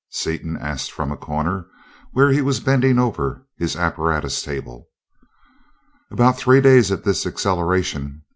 Seaton asked from a corner, where he was bending over his apparatus table. "About three days at this acceleration.